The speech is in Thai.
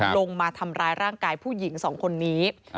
ลงมาทำร้ายร่างกายผู้หญิงสองคนนี้